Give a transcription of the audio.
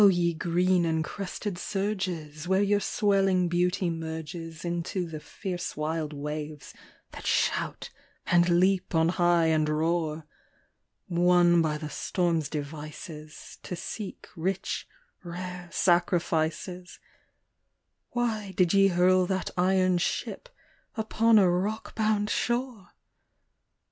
ye green and crested surges, where your swelling beauty merges Into the fierce wild waves that shout and leap on high and roar, — Won by the storm's devices, to seek rich, rare sacrifices, — Why did ye hurl that iron ship upon a rock bound shore